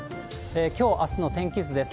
きょう、あすの天気図です。